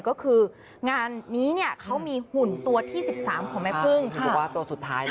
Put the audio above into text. ก็คืองานนี้เขามีหุ่นตัวที่๑๓ของแม่พึ่งค่ะ